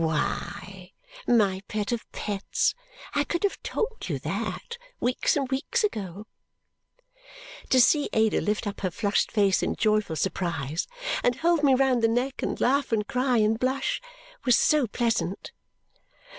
Why, my pet of pets, I could have told you that weeks and weeks ago!" To see Ada lift up her flushed face in joyful surprise, and hold me round the neck, and laugh, and cry, and blush, was so pleasant!